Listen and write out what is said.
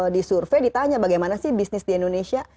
di survei ditanya bagaimana sih bisnis di indonesia